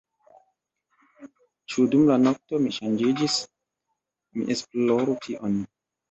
Ĉu dum la nokto mi ŝanĝiĝis? mi esploru tion.